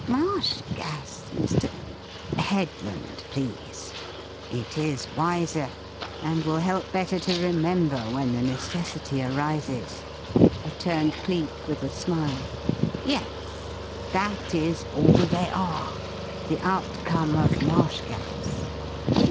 "Marsh gas, Mr. " "Headland, please. It is wiser, and will help better to remember when the necessity arises," returned Cleek, with a smile. "Yes, that is all they are the outcome of marsh gas."